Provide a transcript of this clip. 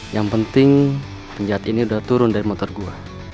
yang penting penjahat ini udah turun dari motor gua